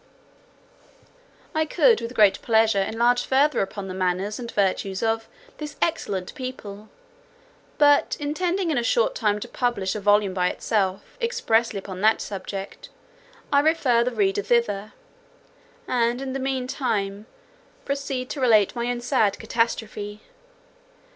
I could, with great pleasure, enlarge further upon the manners and virtues of this excellent people; but intending in a short time to publish a volume by itself, expressly upon that subject, I refer the reader thither; and, in the mean time, proceed to relate my own sad catastrophe.